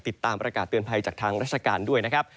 ติดตามประกาศเตือนภัยจากทางราชการด้วยนะครับ